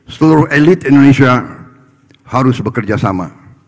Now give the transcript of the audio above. seluruh elit indonesia harus bekerjasama